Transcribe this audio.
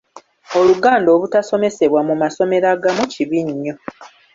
Oluganda obutasomesebwa mu masomero agamu kibi nnyo.